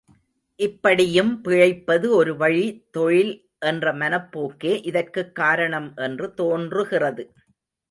இப்படியும் பிழைப்பது ஒருவழி தொழில் என்ற மனப்போக்கே இதற்குக் காரணம் என்று தோன்றுகிறது.